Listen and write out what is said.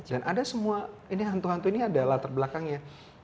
dan ada semua ini hantu hantu ini ada latar belakangnya